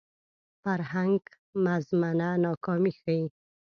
فرهنګ مزمنه ناکامي ښيي